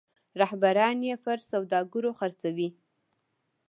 رهبران یې پر سوداګرو خرڅوي.